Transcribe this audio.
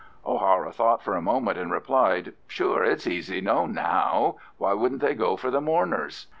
O'Hara thought for a moment, and replied, "Sure it's easily known how—why wouldn't they do for the mourners?"